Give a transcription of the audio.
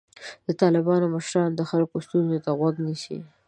د طالبانو مشران د خلکو ستونزو ته غوږ نیسي.